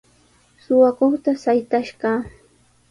Suqakuqta saytash kaa.